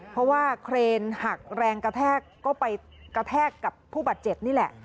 เพราะว่าเครนหักแรงกระแทกก็ไปกระแทกกับผู้บาดเจ็บนี่แหละ